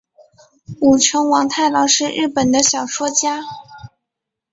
舞城王太郎是日本的小说家。